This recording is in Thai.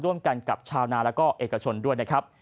ร่วมกันกับชาวนาแล้วก็เอกชนด้วยนะครับ